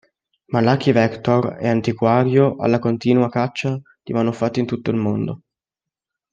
Malachi Rector è un antiquario alla continua caccia di manufatti in tutto il mondo.